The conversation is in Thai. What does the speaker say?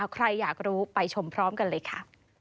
ใครอยากรู้ไปชมพร้อมกันเลยค่ะ